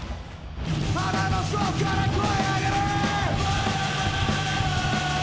腹の底から声上げろ。